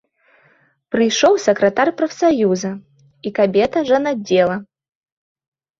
Прыйшоў сакратар прафсаюза і кабета жанаддзела.